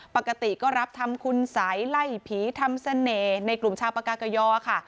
ปกติก็รับทำคุณสัยไล่ผีทำเสน่ห์ในกลุ่มชาวปากากยอค่ะ